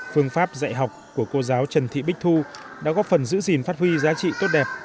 phương pháp dạy học của cô giáo trần thị bích thu đã góp phần giữ gìn phát huy giá trị tốt đẹp